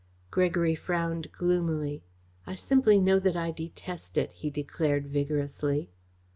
Gregory frowned gloomily. "I simply know that I detest it," he declared vigorously.